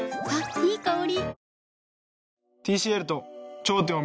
いい香り。